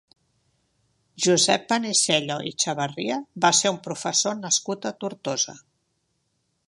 Josep Panisello i Chavarria va ser un professor nascut a Tortosa.